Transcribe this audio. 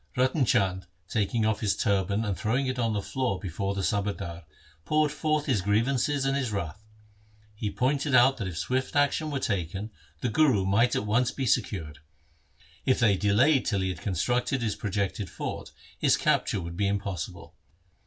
Ratan Chand, taking off his turban and throwing it on the floor before the subadar, poured forth his grievances and his wrath. He pointed out that if swift action were taken, the Guru might be at once secured. If they delayed till he had constructed his projected fort, his capture would be impossible.